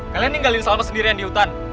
kalian tinggalin salma sendirian di hutan